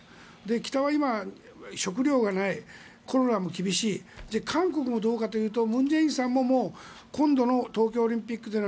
北は今、食糧がないコロナも厳しい韓国もどうかというと文在寅さんも今度の東京オリンピックでの